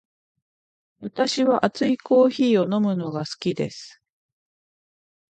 私は熱いコーヒーを飲むのが好きです。